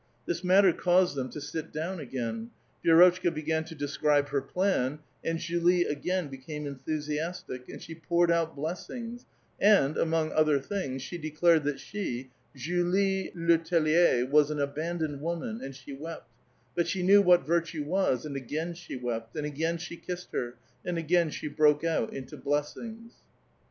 . This matter caused them to sit down again. Vi6 rotchka began to describe her plan, and Julie again became enthusiastic, and she poured out blessings, and, among other things, she declared that she, Julie Le Tellier, was an • abandoned woman, and she wept, but she knew what virtue ' was, and again she wept, and again she kissed her, and / again she broke out into blessings.